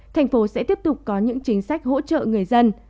thành phố sẽ tiếp tục có những chính sách hỗ trợ người dân